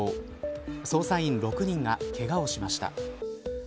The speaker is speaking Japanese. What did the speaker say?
捜査員６人がけがをしました。